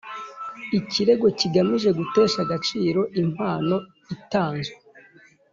Ikirego kigamije gutesha agaciro impano itanzwe